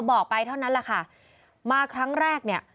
บอกไปเท่านั้นแหละค่ะมาครั้งแรกเนี่ย